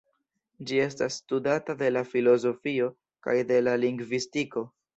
Ĝi estas studata de la filozofio kaj de la lingvistiko.